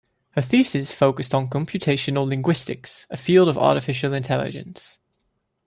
Her thesis focused on computational linguistics, a field of artificial intelligence.